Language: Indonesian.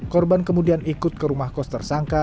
korban kemudian ikut ke rumah kos tersangka